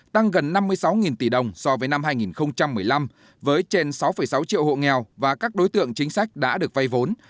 tăng gần năm mươi sáu tỷ đồng so với năm hai nghìn một mươi năm với trên sáu sáu triệu hộ nghèo và các đối tượng chính sách đã được vay vốn